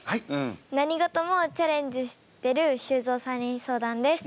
何事もチャレンジしてる修造さんに相談です。